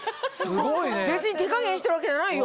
別に手加減してるわけじゃないよ。